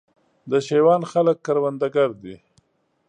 د شېوان خلک کروندګر دي